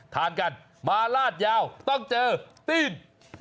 ทานกันมาลาดยาวต้องเจอตีน